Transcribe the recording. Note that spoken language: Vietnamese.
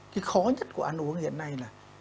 cái khó nhất của ăn uống hiện nay là